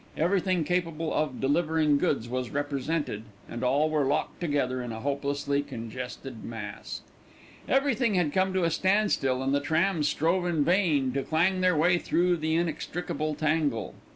Everything capable of delivering goods was represented, and all were locked together in a hopelessly congested mass. Everything had come to a standstill and the trams strove in vain to clang their way through the inextricable tangle.